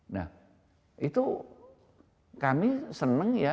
nah itu kami senang ya